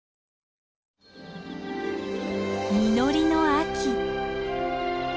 実りの秋。